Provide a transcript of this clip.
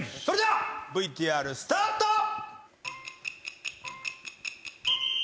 それではＶＴＲスタート！